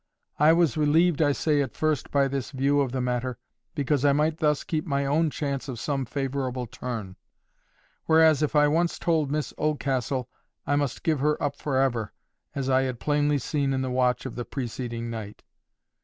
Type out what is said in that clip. I was relieved I say at first, by this view of the matter, because I might thus keep my own chance of some favourable turn; whereas, if I once told Miss Oldcastle, I must give her up for ever, as I had plainly seen in the watch of the preceding night.